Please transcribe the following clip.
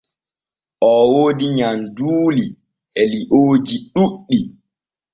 O woodi nyanduuli e liooji ɗuɗɗi.